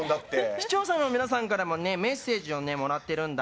視聴者の皆さんからもメッセージをもらってるんだ。